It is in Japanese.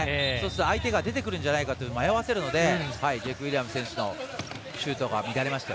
相手が出てくるんじゃないかと迷わせるのでジェイコブ・ウィリアムズ選手のシュート乱れました。